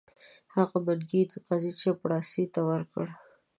هغه منګی یې د قاضي چپړاسي ته ورکړ.